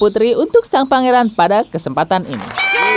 putri untuk sang pangeran pada kesempatan ini